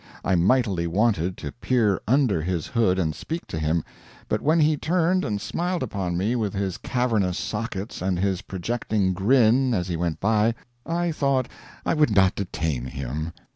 I mightily wanted to peer under his hood and speak to him, but when he turned and smiled upon me with his cavernous sockets and his projecting grin as he went by, I thought I would not detain him.